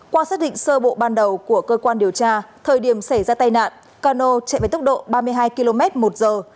qua xác định sơ bộ ban đầu của cơ quan điều tra thời điểm xảy ra tai nạn cano chạy với tốc độ ba mươi hai km một giờ